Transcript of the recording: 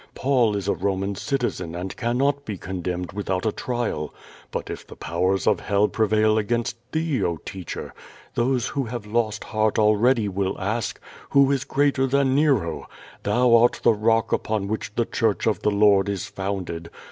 Paul is a Roman citizen and cannot be condemned without a trial. But if the powers of hell prevail against thee, oh, teacher, those who have lost heart already will ask: "Who is greater than Nero?" Tliou art the rock upon which the Church of the Lord is founded.